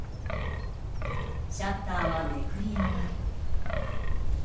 シャッターはめくり上がり。